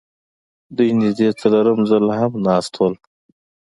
دوی نږدې څلورم ځل هم ناست وو